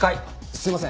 すいません。